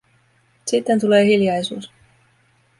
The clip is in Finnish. Sitten tulee hiljaisuus.